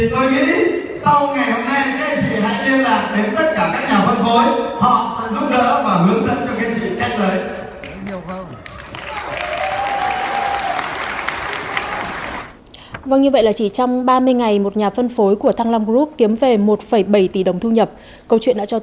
tôi nghĩ sau ngày hôm nay anh chị hãy liên lạc đến tất cả các nhà phân phối họ sẽ giúp đỡ và hướng dẫn cho anh chị cách lấy